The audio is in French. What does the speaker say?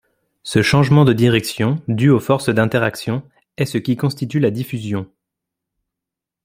Ce changement de direction, dû aux forces d'interaction, est ce qui constitue la diffusion.